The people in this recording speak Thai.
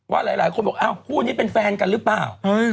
ถ้าหลายคนบอกน้องมิวกีษเป็นแฟนกันหรือเปล่า